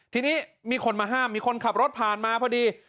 ทีนี้มีคนมาห้ามมีคนขับรถผ่านมาพอดี